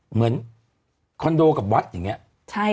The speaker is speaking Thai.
เหมือนคอนโดกับวัดอย่างเงี้ย